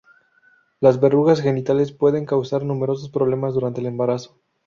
Las verrugas genitales pueden causar numerosos problemas durante el embarazo.